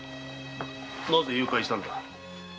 なぜ誘拐したのだ？